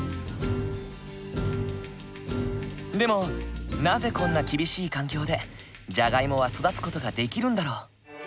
でもなぜこんな厳しい環境でじゃがいもは育つ事ができるんだろう？